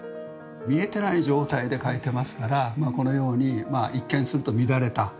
見えてない状態で書いてますからこのように一見すると乱れたですね